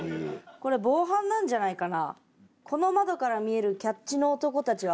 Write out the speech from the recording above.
これ防犯なんじゃないかな？